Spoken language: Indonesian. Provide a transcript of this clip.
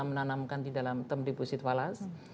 menanamkan di dalam tempuripusit falas